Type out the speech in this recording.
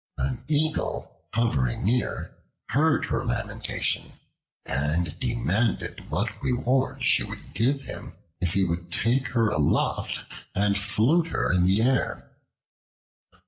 An Eagle, hovering near, heard her lamentation and demanded what reward she would give him if he would take her aloft and float her in the air.